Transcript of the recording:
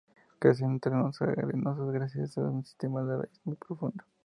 Crece en terrenos arenosos gracias a un sistema de raíz muy profundo.